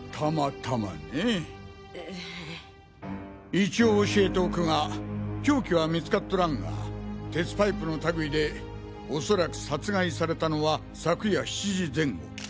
一応教えておくが凶器は見つかっとらんが鉄パイプの類いで恐らく殺害されたのは昨夜７時前後。